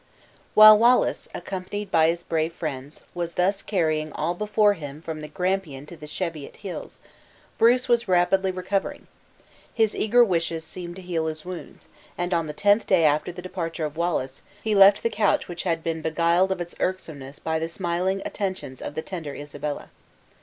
While Wallace, accompanied by his brave friends, was thus carrying all before him from the Grampian to the Cheviot Hills, Bruce was rapidly recovering. His eager wishes seemed to heal his wounds, and on the tenth day after the departure of Wallace, he left the couch which had been beguiled of its irksomeness by the smiling attentions of the tender Isabella.